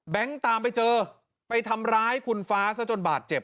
แบงค์ตามไปเจอไปทำร้ายคุณฟ้าเนี่ยจนบาดเจ็บ